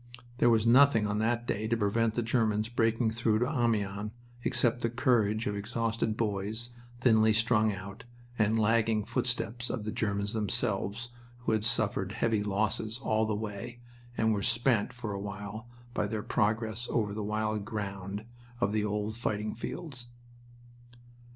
There was nothing on that day to prevent the Germans breaking through to Amiens except the courage of exhausted boys thinly strung out, and the lagging footsteps of the Germans themselves, who had suffered heavy losses all the way and were spent for a while by their progress over the wild ground of the old fighting fields.